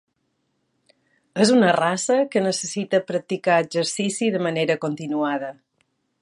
És una raça que necessita practicar exercici de manera continuada.